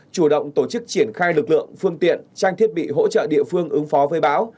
chủ động tổ chức triển khai lực lượng phương tiện trang thiết bị hỗ trợ địa phương ứng phó với bão